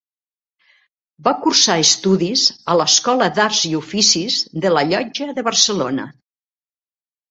Va cursar estudis a l'Escola d’Arts i Oficis de la Llotja de Barcelona.